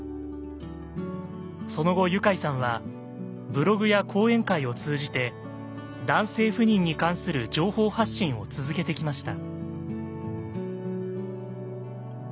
その後ユカイさんはブログや講演会を通じて男性不妊に関する情報発信を続けてきました。